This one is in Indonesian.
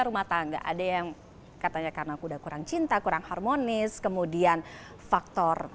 rumah tangga ada yang katanya karena udah kurang cinta kurang harmonis kemudian faktor